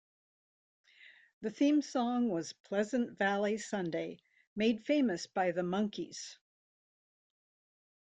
The theme song was "Pleasant Valley Sunday", made famous by The Monkees.